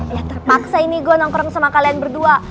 ya terpaksa ini gue nongkrong sama kalian berdua